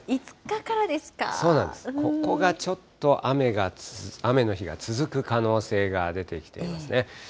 そうなんです、ここがちょっと雨の日が続く可能性が出てきていますね。